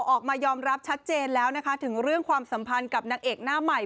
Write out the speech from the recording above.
ออกมายอมรับชัดเจนแล้วนะคะถึงเรื่องความสัมพันธ์กับนางเอกหน้าใหม่